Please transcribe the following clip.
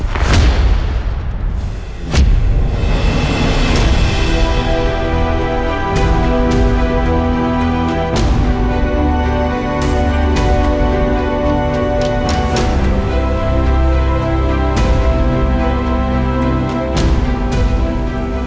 tapi dengan satu syarat